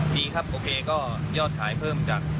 ดีครับโอเคก็ยอดขายเพิ่มจาก